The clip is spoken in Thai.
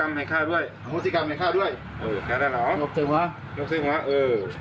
นกเจ็บหัวนกเจ็บหัวเออ